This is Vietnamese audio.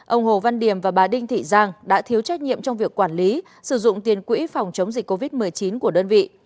ông hồ văn điểm và bà đinh thị giang đã thiếu trách nhiệm trong việc quản lý sử dụng tiền quỹ phòng chống dịch covid một mươi chín của đơn vị